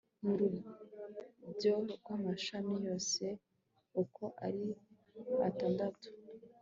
n ururabyo rw amashami yose uko ari atandatu